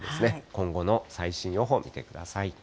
今後の最新予報見てください。